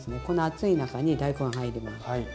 この熱い中に大根が入ります。